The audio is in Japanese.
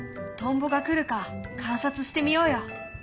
トンボが来るか観察してみようよ。